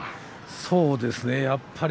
そうですね。